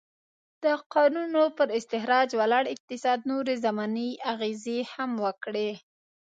د کانونو پر استخراج ولاړ اقتصاد نورې ضمني اغېزې هم وکړې.